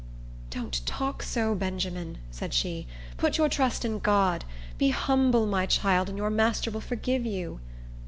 "Don't talk so, Benjamin," said she. "Put your trust in God. Be humble, my child, and your master will forgive you."